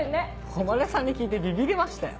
誉さんに聞いてビビりましたよ。